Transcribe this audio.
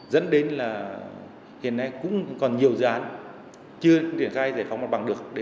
dẫn đến là hiện nay cũng còn nhiều dự án chưa triển khai giải phóng mặt bằng được